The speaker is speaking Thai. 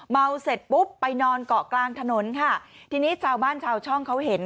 เมาเสร็จปุ๊บไปนอนเกาะกลางถนนค่ะทีนี้ชาวบ้านชาวช่องเขาเห็น